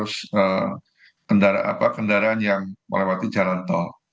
melancarkan arus kendaraan yang melewati jalan tol